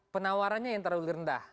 penawarannya yang terlalu rendah